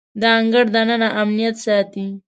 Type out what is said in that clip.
د انګړ دننه امنیت ساتي.